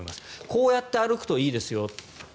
こうやって歩くといいですよ。